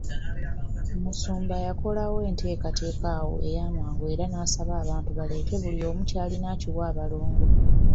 Omusumba yakolawo enteekateeka awo ey'amangu era n'asaba abantu baleete buli omu ky'alina akiwe abalongo.